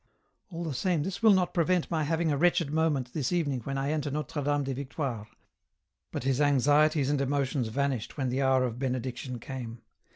" AU the same this will not prevent my having a wretched moment this evening when I enter Notre Dame des Victoires," but his anxieties and emotions vanished when the hour of Benediction came.